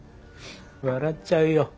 笑っちゃうよ。